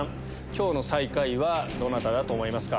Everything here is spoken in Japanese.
今日の最下位はどなただと思いますか？